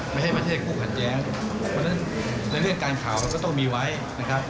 ไม่ใช่ไม่ใช่คู่ขัดแย้งเพราะฉะนั้นในเรื่องการข่าวมันก็ต้องมีไว้นะครับ